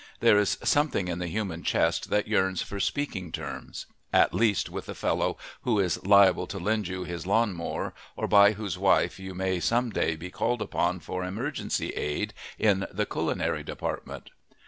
There is something in the human chest that yearns for speaking terms, at least with the fellow who is liable to lend you his lawn mower or by whose wife you may some day be called upon for emergency aid in the culinary department.